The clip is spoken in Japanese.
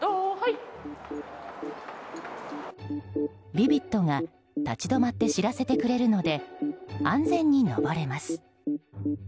ヴィヴィッドが立ち止まって知らせてくれるので安全に上れます。